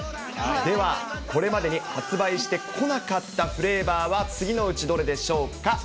では、これまでに発売してこなかったフレーバーは次のうちどれでしょうか。